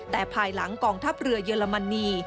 แต่ภายหลังกองทัพเรือเยอรมนี